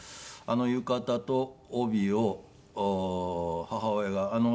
あの浴衣と帯を母親が。